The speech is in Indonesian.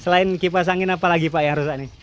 selain kipas angin apa lagi pak yang rusak nih